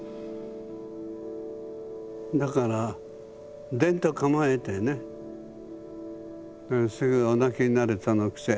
だからデンと構えてねすぐお泣きになるその癖。